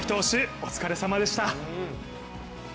お疲れさまでした。